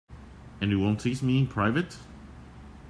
And you won't tease me in private?